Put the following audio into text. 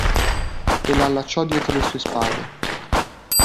E la allacciò dietro le sue spade.